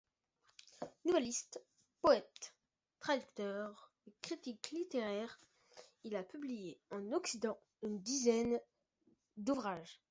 Nouvelliste, poète, traducteur et critique littéraire, il a publié en occitan une dizaine d’ouvrages.